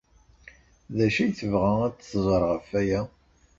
D acu ay tebɣa ad t-tẓer ɣef waya?